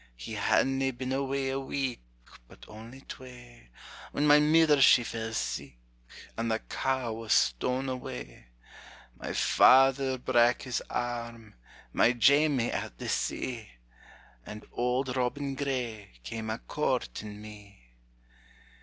He hadna been awa' a week but only twa, When my mither she fell sick, and the cow was stown awa; My father brak his arm my Jamie at the sea And Auld Robin Gray came a courtin' me.